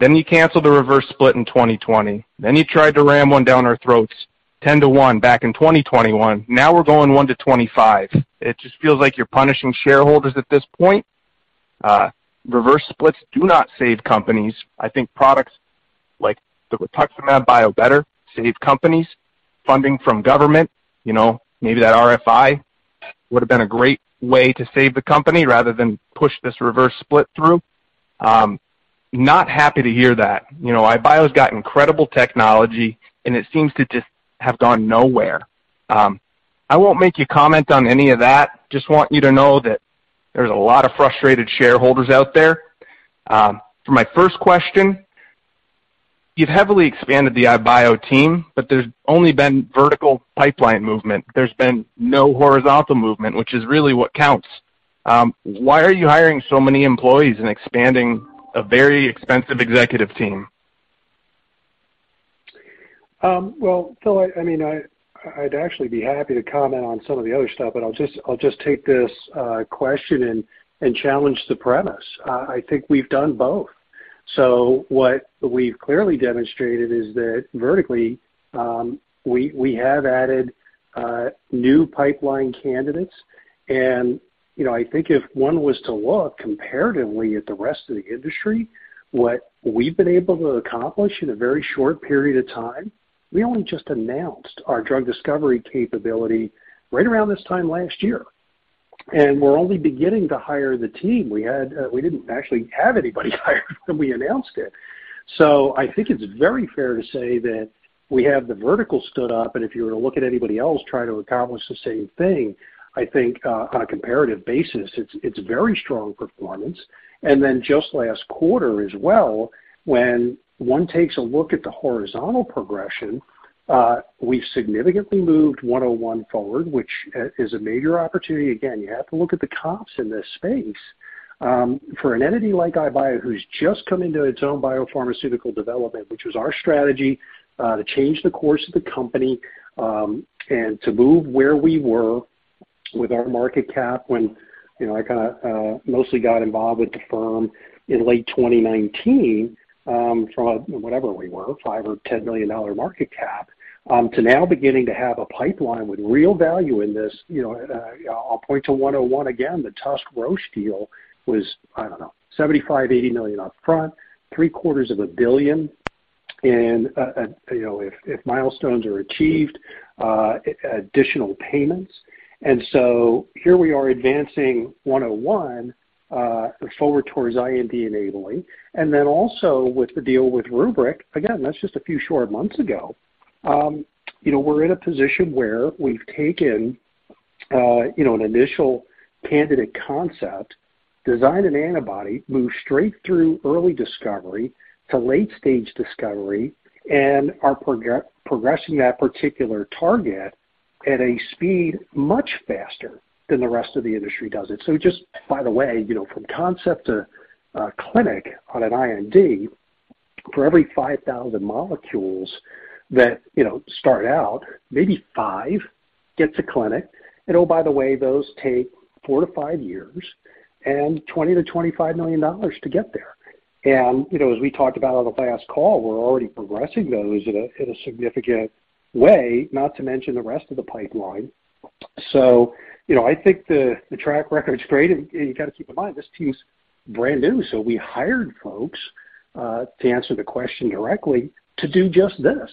You canceled the reverse split in 2020. You tried to ram one down our throats 10-to-1 back in 2021. Now we're going 1-to-25. It just feels like you're punishing shareholders at this point. Reverse splits do not save companies. I think products like the rituximab biosimilar save companies funding from government. You know, maybe that RFI would have been a great way to save the company rather than push this reverse split through. Not happy to hear that. You know, iBio's got incredible technology, and it seems to just have gone nowhere. I won't make you comment on any of that. Just want you to know that there's a lot of frustrated shareholders out there. For my first question, you've heavily expanded the iBio team, but there's only been vertical pipeline movement. There's been no horizontal movement, which is really what counts. Why are you hiring so many employees and expanding a very expensive executive team? Well, Phil, I'd actually be happy to comment on some of the other stuff, but I'll just take this question and challenge the premise. I think we've done both. What we've clearly demonstrated is that vertically, we have added new pipeline candidates. You know, I think if one was to look comparatively at the rest of the industry, what we've been able to accomplish in a very short period of time, we only just announced our drug discovery capability right around this time last year, and we're only beginning to hire the team we had. We didn't actually have anybody hired when we announced it. I think it's very fair to say that we have the vertical stood up, and if you were to look at anybody else trying to accomplish the same thing, I think, on a comparative basis, it's very strong performance. Just last quarter as well, when one takes a look at the horizontal progression, we've significantly moved 101 forward, which is a major opportunity. Again, you have to look at the comps in this space. For an entity like iBio, who's just coming to its own biopharmaceutical development, which was our strategy, to change the course of the company, and to move where we were with our market cap when, you know, I mostly got involved with the firm in late 2019, from whatever we were, $5 or $10 million market cap, to now beginning to have a pipeline with real value in this. You know, I'll point to IBIO-101 again. The Tusk Roche deal was, I don't know, $75-$80 million up front, 3/4 of a billion, and, you know, if milestones are achieved, additional payments. Here we are advancing IBIO-101 forward towards IND enabling. Then also with the deal with RubrYc, again, that's just a few short months ago. You know, we're in a position where we've taken, you know, an initial candidate concept, design an antibody, move straight through early discovery to late stage discovery, and are progressing that particular target at a speed much faster than the rest of the industry does it. Just by the way, you know, from concept to clinic on an IND, for every 5,000 molecules that, you know, start out, maybe five get to clinic. Oh, by the way, those take 4-5 years and $20 million-$25 million to get there. You know, as we talked about on the last call, we're already progressing those in a significant way, not to mention the rest of the pipeline. You know, I think the track record's great. You got to keep in mind, this team's brand new. We hired folks to answer the question directly to do just this.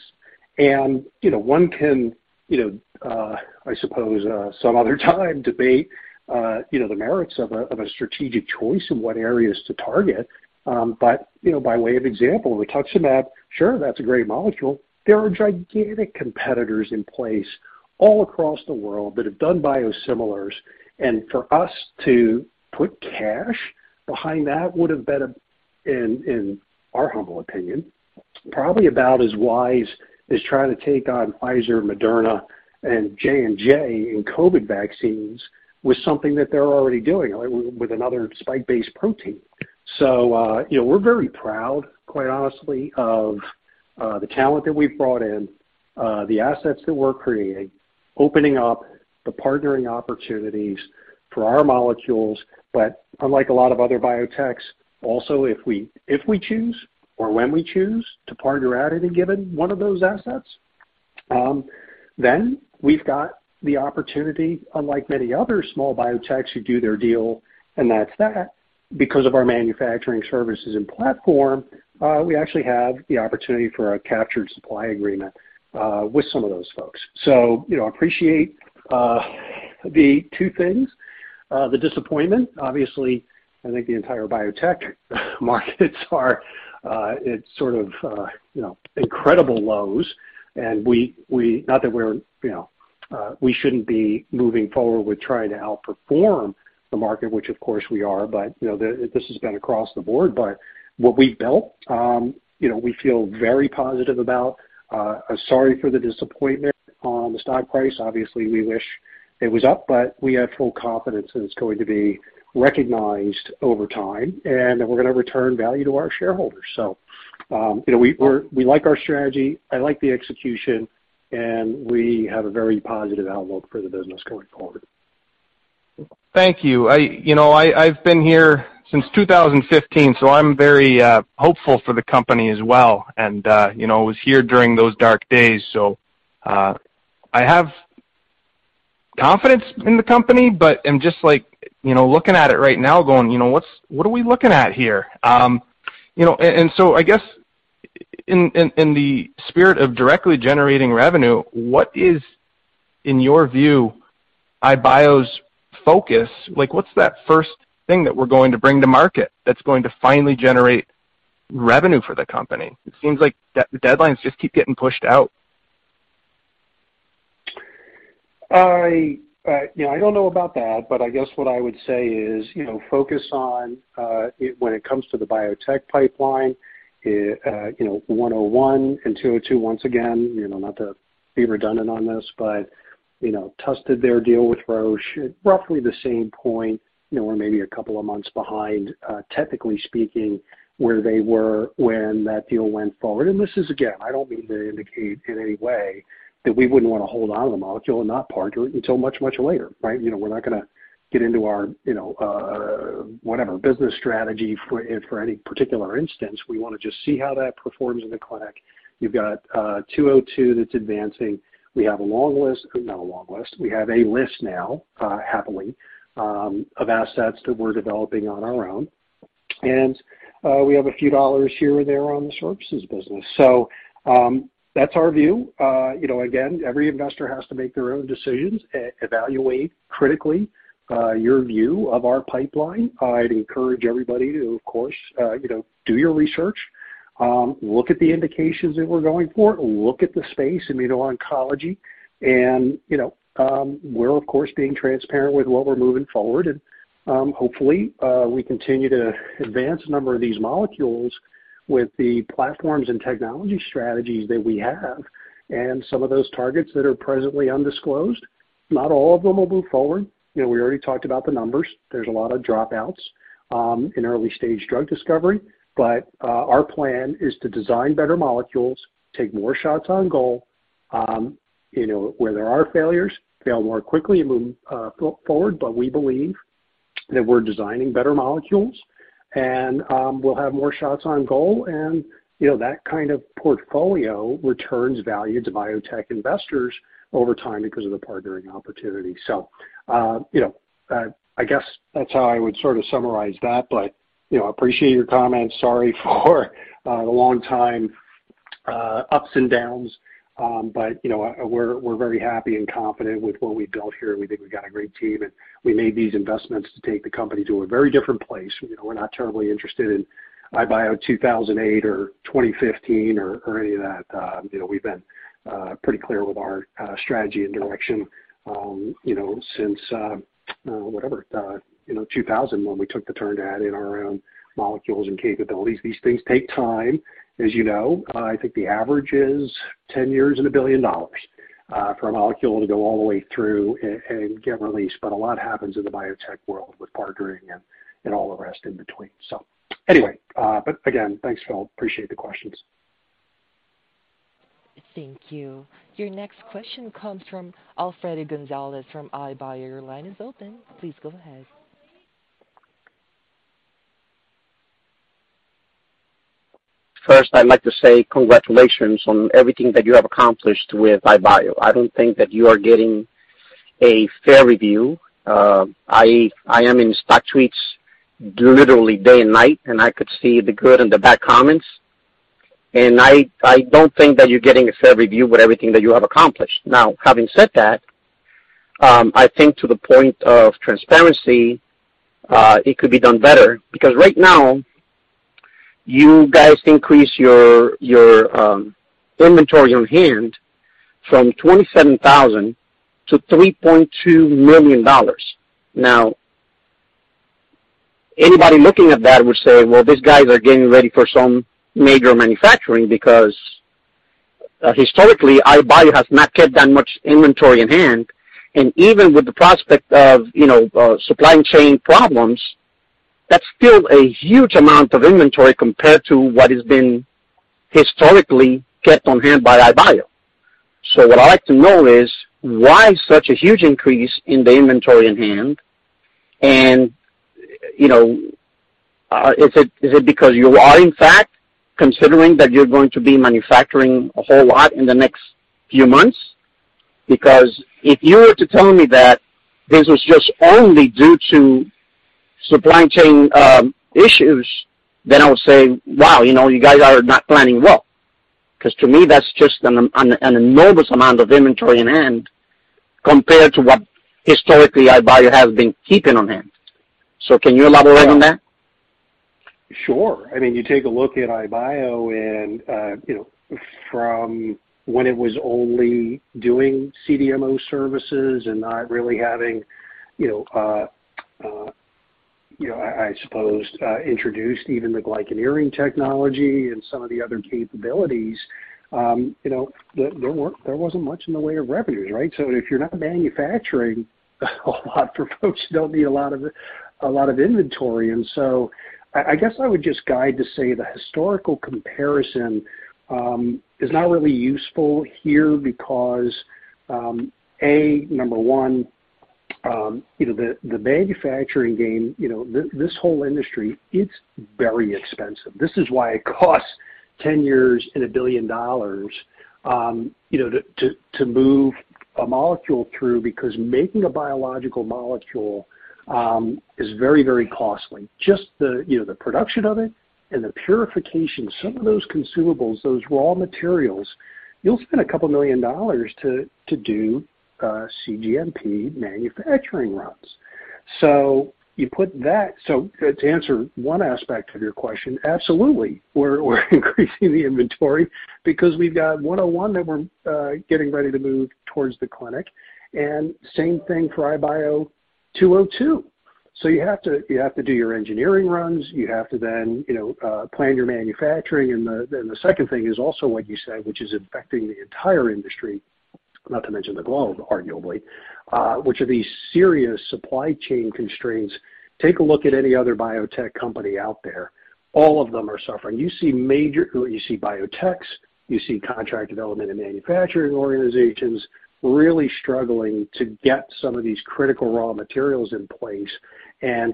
You know, one can, you know, I suppose, some other time debate, you know, the merits of a strategic choice in what areas to target. You know, by way of example, Rituximab, sure, that's a great molecule. There are gigantic competitors in place all across the world that have done biosimilars. For us to put cash behind that would've been, in our humble opinion, probably about as wise as trying to take on Pfizer, Moderna, and J&J in COVID vaccines with something that they're already doing, like with another spike-based protein. You know, we're very proud, quite honestly, of the talent that we've brought in, the assets that we're creating, opening up the partnering opportunities for our molecules. Unlike a lot of other biotechs, also, if we choose or when we choose to partner at any given one of those assets, then we've got the opportunity, unlike many other small biotechs who do their deal, and that's that. Because of our manufacturing services and platform, we actually have the opportunity for a captured supply agreement with some of those folks. You know, appreciate the two things. The disappointment, obviously. I think the entire biotech market is at sort of incredible lows. Not that we shouldn't be moving forward with trying to outperform the market, which of course we are, but you know, this has been across the board. What we've built, you know, we feel very positive about. Sorry for the disappointment on the stock price. Obviously, we wish it was up, but we have full confidence that it's going to be recognized over time, and that we're gonna return value to our shareholders. You know, we like our strategy, I like the execution, and we have a very positive outlook for the business going forward. Thank you. I've been here since 2015, so I'm very hopeful for the company as well. I was here during those dark days, so I have confidence in the company, but I'm just like looking at it right now going, what are we looking at here? I guess in the spirit of directly generating revenue, what is, in your view, iBio's focus? Like, what's that first thing that we're going to bring to market that's going to finally generate revenue for the company? It seems like deadlines just keep getting pushed out. I don't know about that, but I guess what I would say is, you know, focus on when it comes to the biotech pipeline, you know, 101 and 202, once again, you know, not to be redundant on this, but, you know, TUS Therapeutics, their deal with Roche at roughly the same point, you know, or maybe a couple of months behind, technically speaking, where they were when that deal went forward. This is again, I don't mean to indicate in any way that we wouldn't wanna hold on to the molecule and not partner it until much, much later, right? You know, we're not gonna get into our, you know, whatever business strategy for any particular instance. We wanna just see how that performs in the clinic. You've got 202 that's advancing. We have a long list. Not a long list. We have a list now, happily, of assets that we're developing on our own. We have a few dollars here and there on the services business. That's our view. You know, again, every investor has to make their own decisions. Evaluate critically your view of our pipeline. I'd encourage everybody to, of course, you know, do your research, look at the indications that we're going for, look at the space immuno-oncology and, you know, we're of course being transparent with what we're moving forward and, hopefully, we continue to advance a number of these molecules with the platforms and technology strategies that we have and some of those targets that are presently undisclosed. Not all of them will move forward. You know, we already talked about the numbers. There's a lot of dropouts in early stage drug discovery. Our plan is to design better molecules, take more shots on goal, you know, where there are failures, fail more quickly and move forward. We believe that we're designing better molecules and we'll have more shots on goal and, you know, that kind of portfolio returns value to biotech investors over time because of the partnering opportunity. You know, I guess that's how I would sort of summarize that, but you know, appreciate your comments. Sorry for the long time, ups and downs. You know, we're very happy and confident with what we've built here. We think we've got a great team, and we made these investments to take the company to a very different place. You know, we're not terribly interested in iBio 2008 or 2015 or any of that. You know, we've been pretty clear with our strategy and direction, you know, since whatever, you know, 2000 when we took the turn to add in our own molecules and capabilities. These things take time, as you know. I think the average is 10 years and $1 billion for a molecule to go all the way through and get released. A lot happens in the biotech world with partnering and all the rest in between. Anyway, but again, thanks, Phil. Appreciate the questions. Thank you. Your next question comes from Alfredo Gonzalez from iBio. Your line is open. Please go ahead. First, I'd like to say congratulations on everything that you have accomplished with iBio. I don't think that you are getting a fair review. I am in StockTwits literally day and night, and I could see the good and the bad comments. I don't think that you're getting a fair review with everything that you have accomplished. Now, having said that, I think to the point of transparency, it could be done better because right now you guys increase your inventories on hand from $27,000-$3.2 million. Now anybody looking at that would say, well, these guys are getting ready for some major manufacturing because historically, iBio has not kept that much inventory in hand. Even with the prospect of, you know, supply chain problems, that's still a huge amount of inventory compared to what has been historically kept on hand by iBio. So what I'd like to know is why such a huge increase in the inventory in hand and, you know, is it because you are in fact considering that you're going to be manufacturing a whole lot in the next few months? Because if you were to tell me that this was just only due to supply chain issues, then I would say, wow, you know, you guys are not planning well, 'cause to me that's just an enormous amount of inventory in hand compared to what historically iBio has been keeping on hand. So can you elaborate on that? Sure. I mean, you take a look at iBio and, you know, from when it was only doing CDMO services and not really having, you know, I suppose introduced even the glycan engineering technology and some of the other capabilities, you know, there wasn't much in the way of revenues, right? If you're not manufacturing a lot, therefore, there'll be a lot of inventory. I guess I would just guide to say the historical comparison is not really useful here because, A, number one. You know, the manufacturing game, you know, this whole industry, it's very expensive. This is why it costs 10 years and $1 billion, you know, to move a molecule through because making a biological molecule is very, very costly. Just the production of it and the purification. Some of those consumables, those raw materials, you'll spend $2 million to do CGMP manufacturing runs. To answer one aspect of your question, absolutely, we're increasing the inventory because we've got IBIO-101 that we're getting ready to move towards the clinic, and same thing for IBIO-202. You have to do your engineering runs. You have to then plan your manufacturing. The second thing is also what you said, which is affecting the entire industry, not to mention the globe, arguably, which are these serious supply chain constraints. Take a look at any other biotech company out there, all of them are suffering. You see biotechs, you see contract development and manufacturing organizations really struggling to get some of these critical raw materials in place.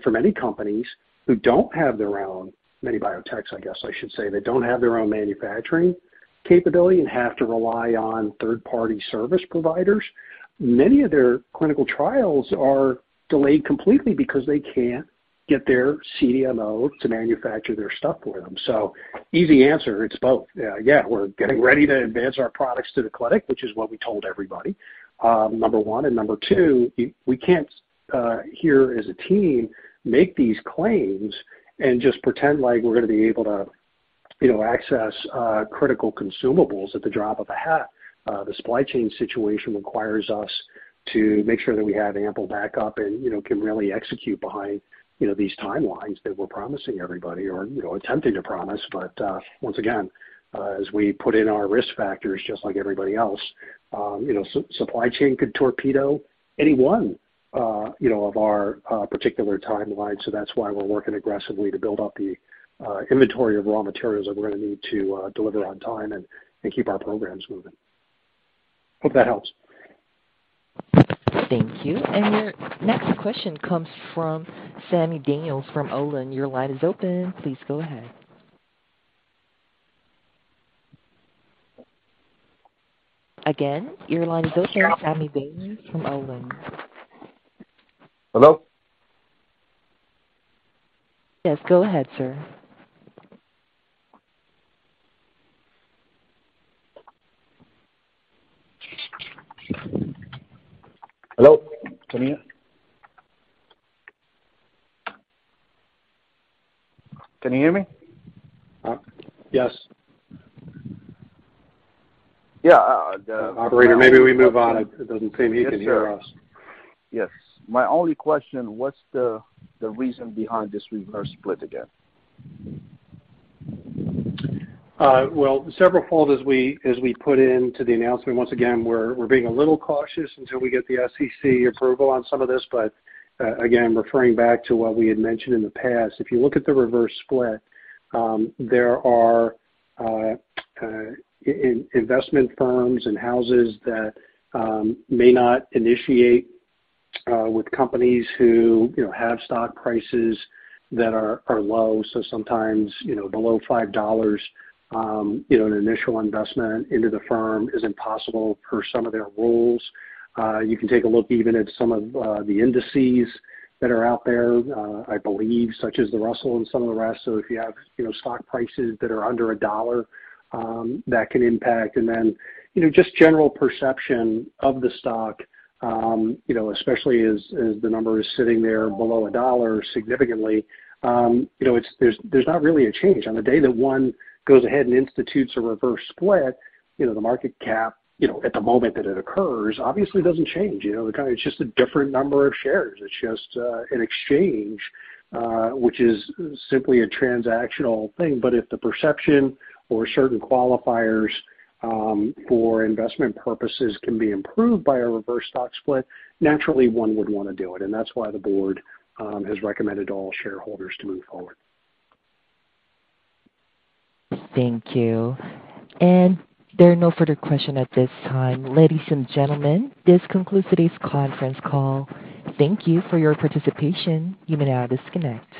For many companies who don't have their own, many biotechs, I guess I should say, that don't have their own manufacturing capability and have to rely on third-party service providers, many of their clinical trials are delayed completely because they can't get their CDMO to manufacture their stuff for them. Easy answer, it's both. Yeah, we're getting ready to advance our products to the clinic, which is what we told everybody, number one. Number two, we can't here as a team make these claims and just pretend like we're gonna be able to, you know, access critical consumables at the drop of a hat. The supply chain situation requires us to make sure that we have ample backup and, you know, can really execute behind, you know, these timelines that we're promising everybody or, you know, attempting to promise. Once again, as we put in our risk factors, just like everybody else, you know, supply chain could torpedo any one, you know, of our particular timelines. That's why we're working aggressively to build up the inventory of raw materials that we're gonna need to deliver on time and keep our programs moving. Hope that helps. Thank you. Your next question comes from Sammy Daniels from Olin. Your line is open. Please go ahead. Again, your line is open, Sammy Daniels from Olin. Hello? Yes, go ahead, sir. Hello? Can you hear me? Yes. Yeah. Operator, maybe we move on. It doesn't seem he can hear us. Yes, sir. Yes. My only question, what's the reason behind this reverse split again? Well, severalfold, as we put into the announcement, once again, we're being a little cautious until we get the SEC approval on some of this. Again, referring back to what we had mentioned in the past, if you look at the reverse split, there are investment firms and houses that may not initiate with companies who, you know, have stock prices that are low. Sometimes, you know, below $5, an initial investment into the firm is impossible per some of their rules. You can take a look even at some of the indices that are out there, I believe such as the Russell and some of the rest. If you have, you know, stock prices that are under $1, that can impact. You know, just general perception of the stock, you know, especially as the number is sitting there below $1 significantly, you know, there's not really a change. On the day that one goes ahead and institutes a reverse split, you know, the market cap, you know, at the moment that it occurs obviously doesn't change. You know, It's just a different number of shares. It's just an exchange, which is simply a transactional thing. But if the perception or certain qualifiers for investment purposes can be improved by a reverse stock split, naturally one would wanna do it. That's why the board has recommended to all shareholders to move forward. Thank you. There are no further questions at this time. Ladies and gentlemen, this concludes today's conference call. Thank you for your participation. You may now disconnect.